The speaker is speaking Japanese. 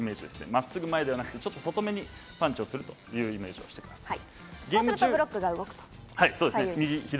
真っすぐ前ではなく、外めにパンチをするイメージをしてください。